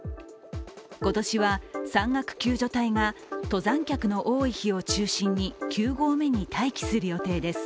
今年は山岳救助隊が登山客の多い日を中心に九合目に待機する予定です。